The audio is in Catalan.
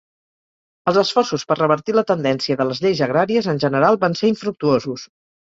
Els esforços per revertir la tendència de les lleis agràries en general van ser infructuosos.